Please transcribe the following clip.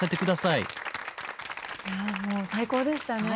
いやあもう最高でしたね。